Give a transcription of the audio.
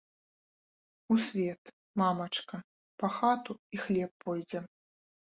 У свет, мамачка, па хату і хлеб пойдзем.